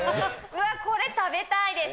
わっ、これ食べたいです。